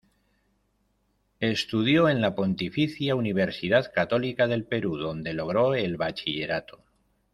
Estudió en la Pontificia Universidad Católica del Perú donde logró el bachillerato.